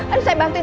aduh saya bantuin